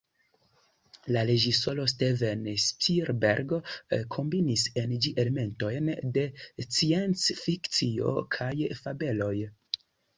La reĝisoro Steven Spielberg kombinis en ĝi elementojn de sciencfikcio- kaj fabeloj.